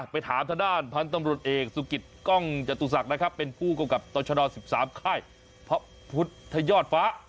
ไปถามทางด้านพันธุ์ตำรวจเอกสุกิตกล้องจตุศักดิ์นะครับเป็นผู้กำกับต่อชด๑๓ค่ายพระพุทธยอดฟ้า